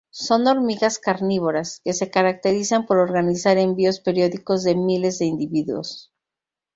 Son hormigas carnívoras, que se caracterizan por organizar envíos periódicos de miles de individuos.